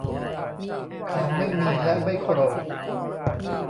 เขาไม่มีและไม่โกรธ